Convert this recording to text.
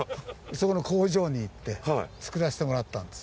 そこの工場に行って作らせてもらったんです。